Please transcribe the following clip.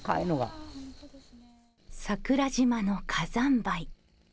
桜島の火山灰。